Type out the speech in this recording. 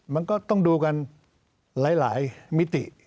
มันก็ต้องดูกันหลายมิติ